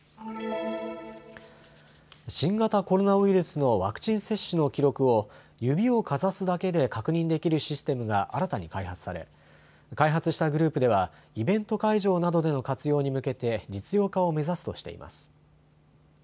新型コロナウイルスのワクチン接種の記録を指をかざすだけで確認できるシステムが新たに開発され開発したグループではイベント会場などでの活用に向けて実用化を目指すとしています。